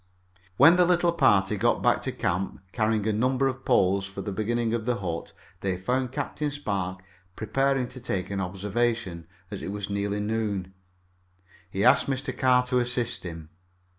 When the little party got back to camp, carrying a number of poles for the beginning of the hut, they found Captain Spark preparing to take an observation, as it was nearly noon. He asked Mr. Carr to assist him.